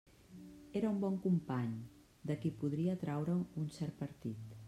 Era un bon company, de qui podia traure un cert partit.